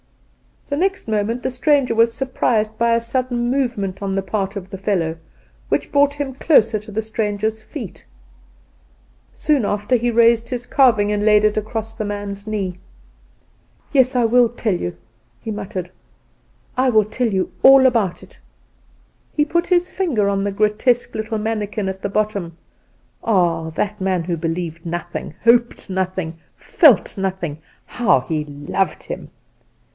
The next moment the stranger was surprised by a sudden movement on the part of the fellow, which brought him close to the stranger's feet. Soon after he raised his carving and laid it across the man's knee. "Yes, I will tell you," he muttered; "I will tell you all about it." He put his finger on the grotesque little mannikin at the bottom (ah! that man who believed nothing, hoped nothing, felt nothing; how he loved him!)